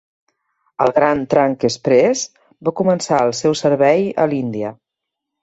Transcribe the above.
El Grand Trunk Express va començar el seu servei a l'Índia.